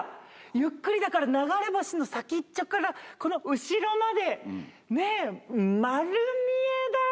ゆっくりだから流れ星の先っちょからこの後ろまでねぇ。